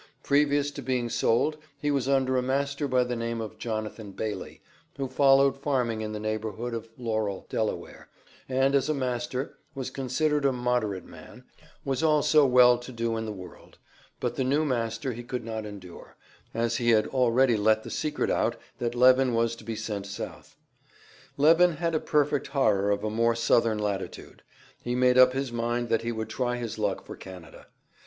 Previous to being sold he was under a master by the name of Jonathan Bailey, who followed farming in the neighborhood of Laurel, Delaware, and, as a master, was considered a moderate man was also well to do in the world; but the new master he could not endure, as he had already let the secret out that Levin was to be sent South. Levin had a perfect horror of a more Southern latitude; he made up his mind that he would try his luck for Canada.